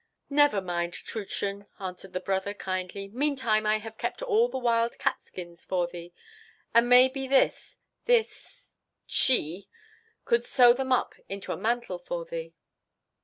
"Never mind, Trudchen," answered the brother kindly; "meantime I have kept all the wild catskins for thee, and may be this—this—she could sew them up into a mantle for thee."